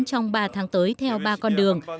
trong ba tháng tới theo ba con đường